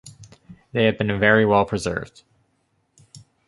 They have been very well preserved.